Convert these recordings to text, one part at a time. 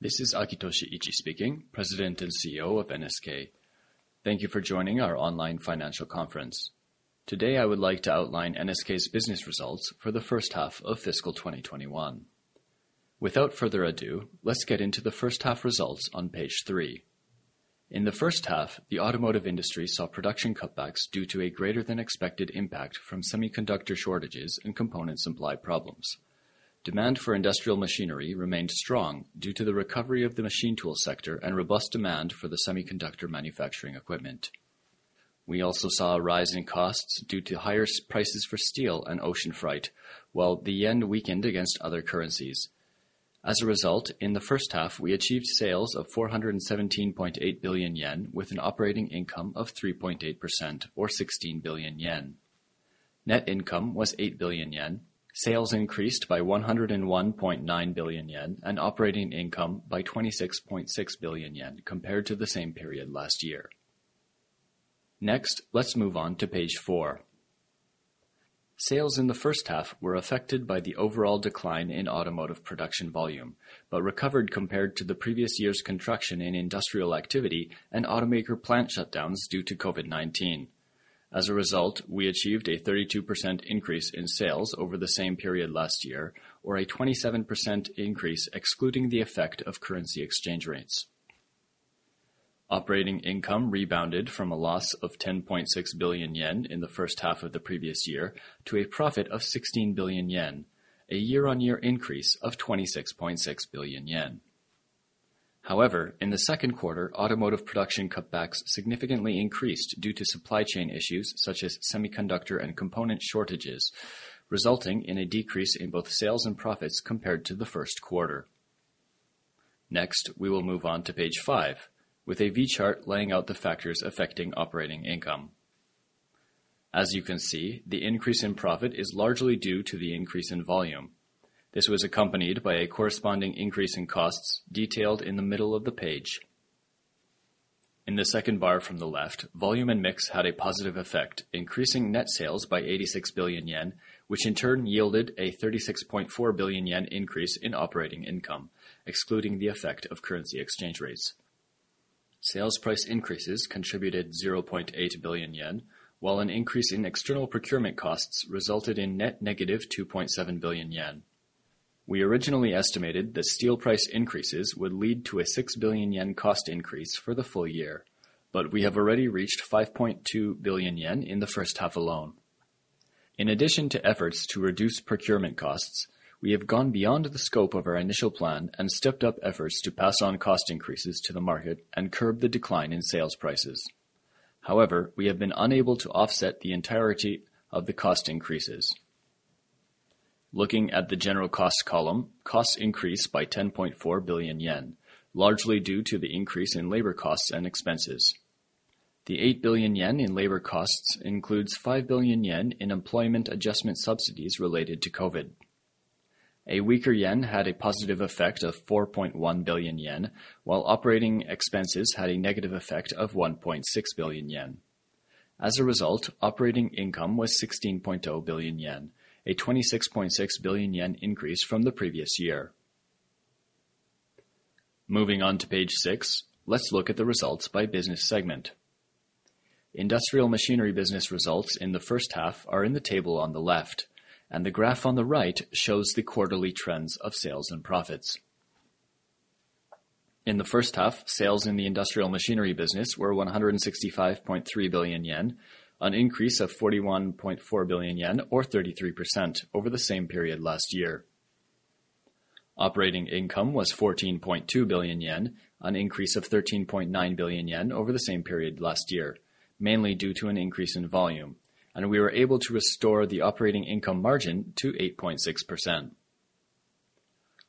This is Akitoshi Ichii speaking, President and CEO of NSK. Thank you for joining our online financial conference. Today, I would like to outline NSK's business results for the first half of fiscal 2021. Without further ado, let's get into the first half results on page three. In the first half, the automotive industry saw production cutbacks due to a greater than expected impact from semiconductor shortages and components supply problems. Demand for industrial machinery remained strong due to the recovery of the machine tool sector and robust demand for the semiconductor manufacturing equipment. We also saw a rise in costs due to higher prices for steel and ocean freight, while the yen weakened against other currencies. As a result, in the first half, we achieved sales of 417.8 billion yen with an operating income of 3.8% or 16 billion yen. Net income was 8 billion yen. Sales increased by 101.9 billion yen and operating income by 26.6 billion yen compared to the same period last year. Next, let's move on to page four. Sales in the first half were affected by the overall decline in automotive production volume, but recovered compared to the previous year's contraction in industrial activity and automaker plant shutdowns due to COVID-19. As a result, we achieved a 32% increase in sales over the same period last year, or a 27% increase excluding the effect of currency exchange rates. Operating income rebounded from a loss of 10.6 billion yen in the first half of the previous year to a profit of 16 billion yen, a year-on-year increase of 26.6 billion yen. However, in the second quarter, automotive production cutbacks significantly increased due to supply chain issues such as semiconductor and component shortages, resulting in a decrease in both sales and profits compared to the first quarter. Next, we will move on to page five with a V chart laying out the factors affecting operating income. As you can see, the increase in profit is largely due to the increase in volume. This was accompanied by a corresponding increase in costs detailed in the middle of the page. In the second bar from the left, volume and mix had a positive effect, increasing net sales by 86 billion yen, which in turn yielded a 36.4 billion yen increase in operating income, excluding the effect of currency exchange rates. Sales price increases contributed 0.8 billion yen, while an increase in external procurement costs resulted in net negative 2.7 billion yen. We originally estimated that steel price increases would lead to a 6 billion yen cost increase for the full year, but we have already reached 5.2 billion yen in the first half alone. In addition to efforts to reduce procurement costs, we have gone beyond the scope of our initial plan and stepped up efforts to pass on cost increases to the market and curb the decline in sales prices. However, we have been unable to offset the entirety of the cost increases. Looking at the general cost column, costs increased by 10.4 billion yen, largely due to the increase in labor costs and expenses. The 8 billion yen in labor costs includes 5 billion yen in employment adjustment subsidies related to COVID. A weaker yen had a positive effect of 4.1 billion yen, while operating expenses had a negative effect of 1.6 billion yen. As a result, operating income was 16.0 billion yen, a 26.6 billion yen increase from the previous year. Moving on to page six, let's look at the results by business segment. Industrial Machinery business results in the first half are in the table on the left, and the graph on the right shows the quarterly trends of sales and profits. In the first half, sales in the Industrial Machinery business were 165.3 billion yen, an increase of 41.4 billion yen or 33% over the same period last year. Operating income was 14.2 billion yen, an increase of 13.9 billion yen over the same period last year, mainly due to an increase in volume, and we were able to restore the operating income margin to 8.6%.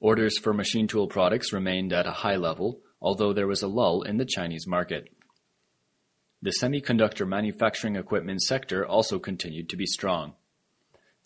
Orders for machine tool products remained at a high level although there was a lull in the Chinese market. The semiconductor manufacturing equipment sector also continued to be strong.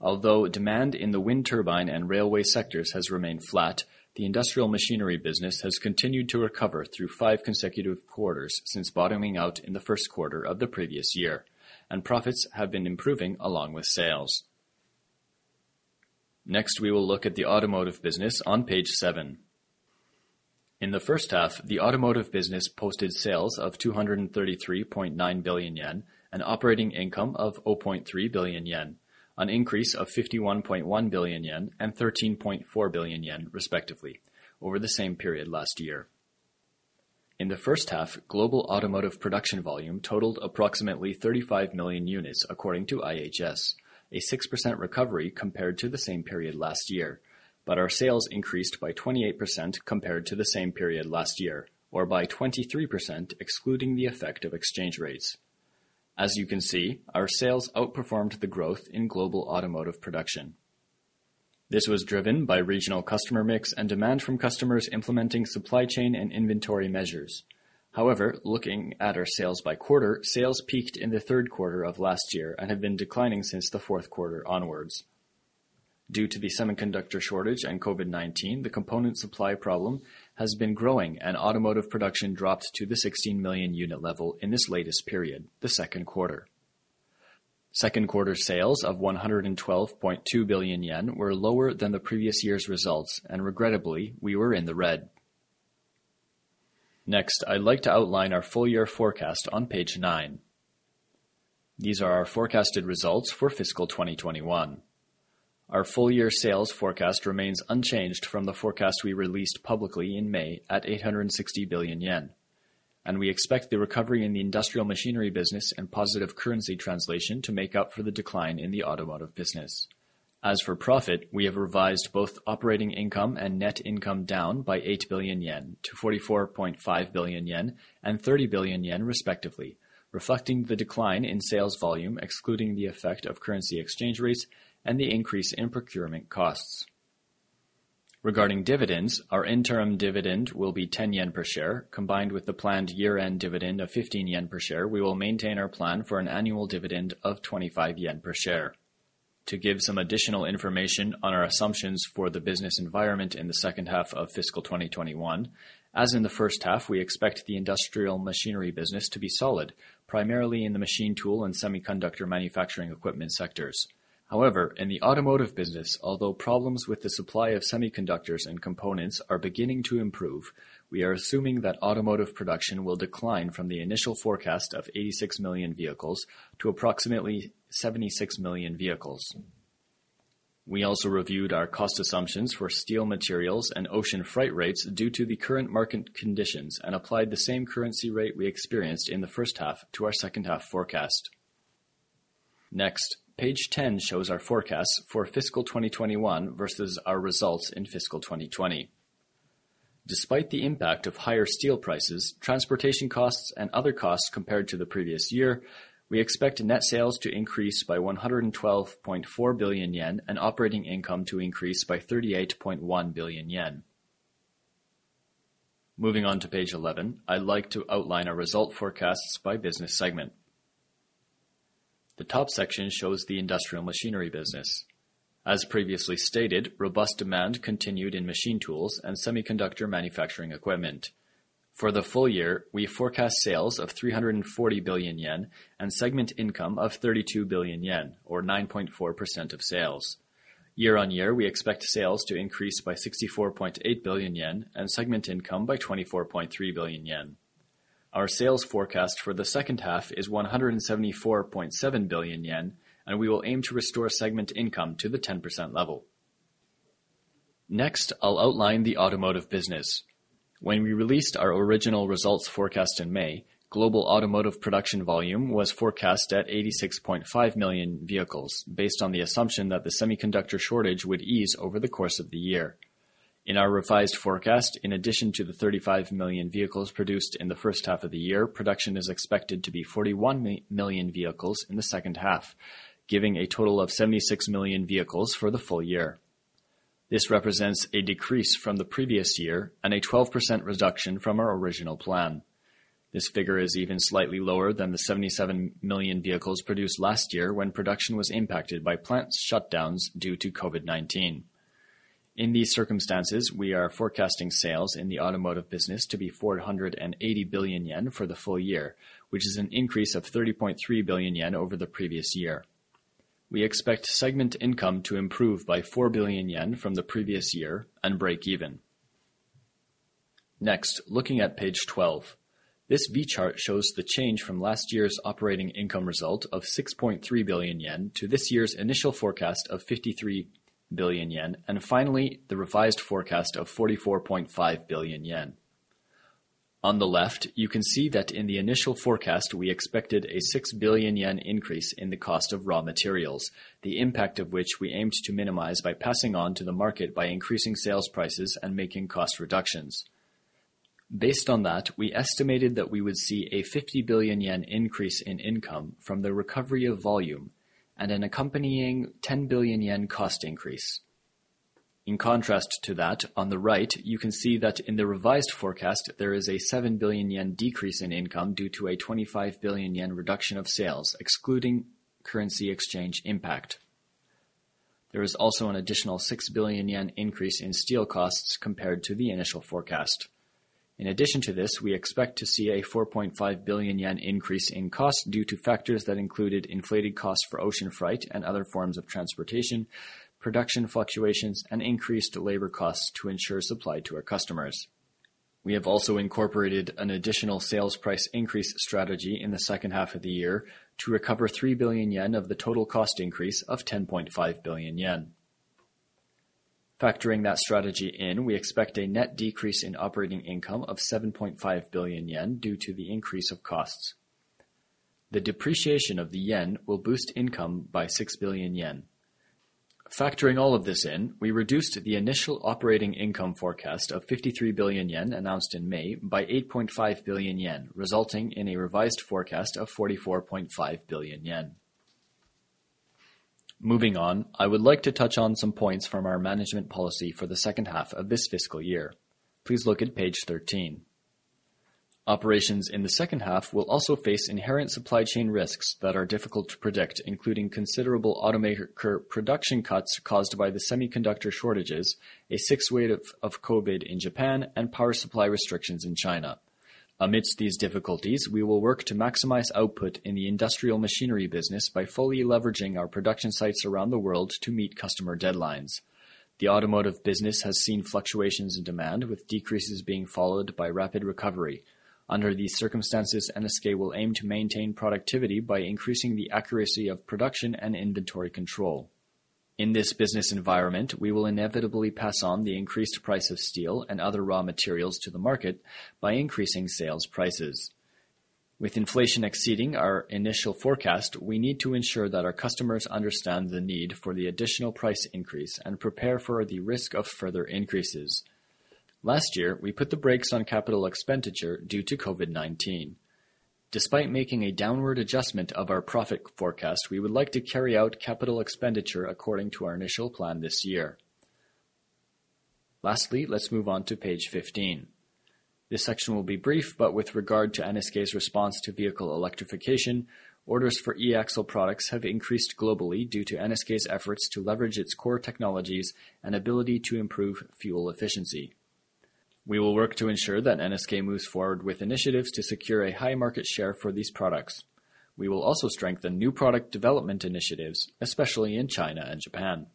Although demand in the wind turbine and railway sectors has remained flat, the industrial machinery business has continued to recover through five consecutive quarters since bottoming out in the first quarter of the previous year, and profits have been improving along with sales. Next, we will look at the automotive business on page seven. In the first half, the automotive business posted sales of 233.9 billion yen, an operating income of 0.3 billion yen, an increase of 51.1 billion yen and 13.4 billion yen, respectively, over the same period last year. In the first half, global automotive production volume totaled approximately 35 million units, according to IHS, a 6% recovery compared to the same period last year. Our sales increased by 28% compared to the same period last year, or by 23% excluding the effect of exchange rates. As you can see, our sales outperformed the growth in global automotive production. This was driven by regional customer mix and demand from customers implementing supply chain and inventory measures. However, looking at our sales by quarter, sales peaked in the third quarter of last year and have been declining since the fourth quarter onwards. Due to the semiconductor shortage and COVID-19, the component supply problem has been growing and automotive production dropped to the 16 million unit level in this latest period, the second quarter. Second quarter sales of 112.2 billion yen were lower than the previous year's results, and regrettably, we were in the red. Next, I'd like to outline our full year forecast on page nine. These are our forecasted results for fiscal 2021. Our full year sales forecast remains unchanged from the forecast we released publicly in May at 860 billion yen. We expect the recovery in the industrial machinery business and positive currency translation to make up for the decline in the automotive business. As for profit, we have revised both operating income and net income down by 8 billion yen to 44.5 billion yen and 30 billion yen, respectively, reflecting the decline in sales volume, excluding the effect of currency exchange rates and the increase in procurement costs. Regarding dividends, our interim dividend will be 10 yen per share, combined with the planned year-end dividend of 15 yen per share, we will maintain our plan for an annual dividend of 25 yen per share. To give some additional information on our assumptions for the business environment in the second half of fiscal 2021, as in the first half, we expect the Industrial Machinery business to be solid, primarily in the machine tool and semiconductor manufacturing equipment sectors. However, in the automotive business, although problems with the supply of semiconductors and components are beginning to improve, we are assuming that automotive production will decline from the initial forecast of 86 million vehicles to approximately 76 million vehicles. We also reviewed our cost assumptions for steel materials and ocean freight rates due to the current market conditions, and applied the same currency rate we experienced in the first half to our second half forecast. Next, page 10 shows our forecasts for fiscal 2021 versus our results in fiscal 2020. Despite the impact of higher steel prices, transportation costs, and other costs compared to the previous year, we expect net sales to increase by 112.4 billion yen and operating income to increase by 38.1 billion yen. Moving on to page 11, I'd like to outline our result forecasts by business segment. The top section shows the Industrial Machinery business. As previously stated, robust demand continued in machine tools and semiconductor manufacturing equipment. For the full year, we forecast sales of 340 billion yen and segment income of 32 billion yen or 9.4% of sales. Year-on-year, we expect sales to increase by 64.8 billion yen and segment income by 24.3 billion yen. Our sales forecast for the second half is 174.7 billion yen, and we will aim to restore segment income to the 10% level. Next, I'll outline the automotive business. When we released our original results forecast in May, global automotive production volume was forecast at 86.5 million vehicles based on the assumption that the semiconductor shortage would ease over the course of the year. In our revised forecast, in addition to the 35 million vehicles produced in the first half of the year, production is expected to be 41 million vehicles in the second half, giving a total of 76 million vehicles for the full year. This represents a decrease from the previous year and a 12% reduction from our original plan. This figure is even slightly lower than the 77 million vehicles produced last year when production was impacted by plant shutdowns due to COVID-19. In these circumstances, we are forecasting sales in the automotive business to be 480 billion yen for the full year, which is an increase of 30.3 billion yen over the previous year. We expect segment income to improve by 4 billion yen from the previous year and break even. Next, looking at page 12. This V chart shows the change from last year's operating income result of 6.3 billion yen to this year's initial forecast of 53 billion yen, and finally, the revised forecast of 44.5 billion yen. On the left, you can see that in the initial forecast, we expected a 6 billion yen increase in the cost of raw materials, the impact of which we aimed to minimize by passing on to the market by increasing sales prices and making cost reductions. Based on that, we estimated that we would see a 50 billion yen increase in income from the recovery of volume and an accompanying 10 billion yen cost increase. In contrast to that, on the right, you can see that in the revised forecast, there is a 7 billion yen decrease in income due to a 25 billion yen reduction of sales, excluding currency exchange impact. There is also an additional 6 billion yen increase in steel costs compared to the initial forecast. In addition to this, we expect to see a 4.5 billion yen increase in costs due to factors that included inflated costs for ocean freight and other forms of transportation, production fluctuations, and increased labor costs to ensure supply to our customers. We have also incorporated an additional sales price increase strategy in the second half of the year to recover 3 billion yen of the total cost increase of 10.5 billion yen. Factoring that strategy in, we expect a net decrease in operating income of 7.5 billion yen due to the increase of costs. The depreciation of the yen will boost income by 6 billion yen. Factoring all of this in, we reduced the initial operating income forecast of 53 billion yen announced in May by 8.5 billion yen, resulting in a revised forecast of 44.5 billion yen. Moving on, I would like to touch on some points from our management policy for the second half of this fiscal year. Please look at page 13. Operations in the second half will also face inherent supply chain risks that are difficult to predict, including considerable automaker production cuts caused by the semiconductor shortages, a sixth wave of COVID in Japan, and power supply restrictions in China. Amidst these difficulties, we will work to maximize output in the industrial machinery business by fully leveraging our production sites around the world to meet customer deadlines. The automotive business has seen fluctuations in demand, with decreases being followed by rapid recovery. Under these circumstances, NSK will aim to maintain productivity by increasing the accuracy of production and inventory control. In this business environment, we will inevitably pass on the increased price of steel and other raw materials to the market by increasing sales prices. With inflation exceeding our initial forecast, we need to ensure that our customers understand the need for the additional price increase and prepare for the risk of further increases. Last year, we put the brakes on capital expenditure due to COVID-19. Despite making a downward adjustment of our profit forecast, we would like to carry out capital expenditure according to our initial plan this year. Lastly, let's move on to page 15. This section will be brief, but with regard to NSK's response to vehicle electrification, orders for E-Axle products have increased globally due to NSK's efforts to leverage its core technologies and ability to improve fuel efficiency. We will work to ensure that NSK moves forward with initiatives to secure a high market share for these products. We will also strengthen new product development initiatives, especially in China and Japan.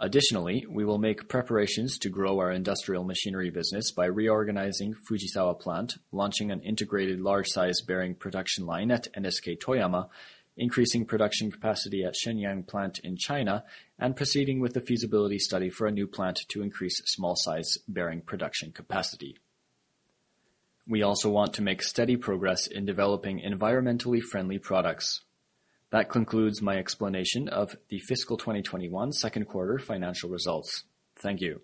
Additionally, we will make preparations to grow our industrial machinery business by reorganizing Fujisawa Plant, launching an integrated large size bearing production line at NSK Toyama, increasing production capacity at Shenyang Plant in China, and proceeding with the feasibility study for a new plant to increase small size bearing production capacity. We also want to make steady progress in developing environmentally friendly products. That concludes my explanation of the fiscal 2021 second quarter financial results. Thank you.